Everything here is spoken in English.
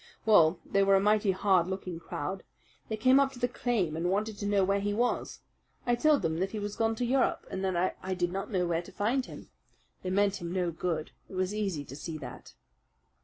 "Well, they were a mighty hard looking crowd. They came up to the claim and wanted to know where he was. I told them that he was gone to Europe and that I did not know where to find him. They meant him no good it was easy to see that."